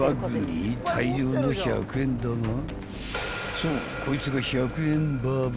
［そうこいつが］